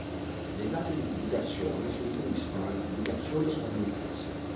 Le date di pubblicazione si riferiscono alle pubblicazioni statunitensi.